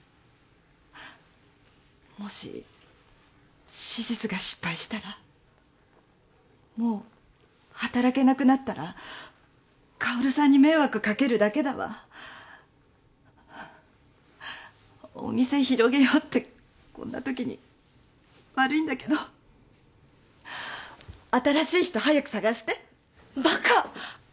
もし手術が失敗したらもう働けなくなったら香さんに迷惑かけるだけだわお店広げようってこんな時に悪いんだけど新しい人早く探してバカッ！